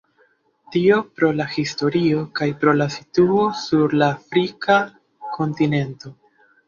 Tio pro la historio kaj pro la situo sur la afrika kontinento.